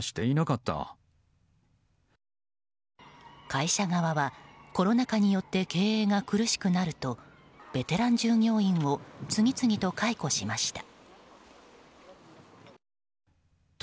会社側はコロナ禍によって経営が苦しくなるとベテラン従業員を次々と解雇しました。